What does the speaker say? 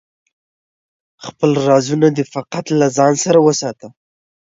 خپل رازونه دی فقط له ځانه سره وساته